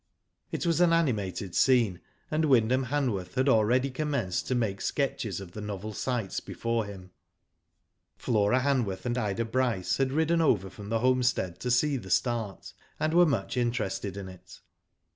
It was an animated scene, and Wyndham Han worth had already commenced to make sketches of the novel sights before him. flora Han>yorth and Ida Bryce had ridden Digitized byGoogk 124 ^^O DID ITf over from the homestead to see the starts and were much interested in it.